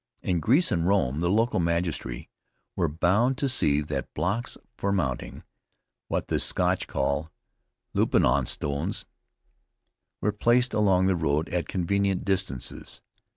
In Greece and Rome, the local magistracy were bound to see that blocks for mounting (what the Scotch call loupin on stanes) were placed along the road at convenient distances.